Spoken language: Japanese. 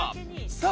さあ！